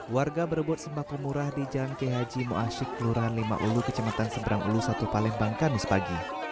warga berebut sembako murah di jalan khj moasik kelurahan lima ulu kecematan seberang ulu satu palembang kanus pagi